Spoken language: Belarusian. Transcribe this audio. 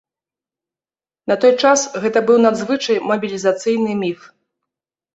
На той час гэта быў надзвычай мабілізацыйны міф.